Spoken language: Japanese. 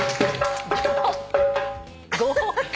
豪華！